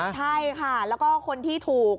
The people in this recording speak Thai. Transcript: ใช่ค่ะแล้วก็คนที่ถูก